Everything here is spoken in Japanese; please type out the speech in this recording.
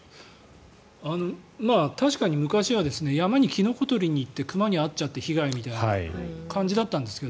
確かに昔は山にキノコ採りに行って熊に合っちゃって被害みたいな感じだったんですが